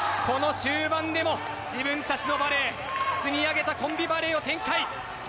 この終盤でも自分たちのバレー積み上げたコンビバレーを展開。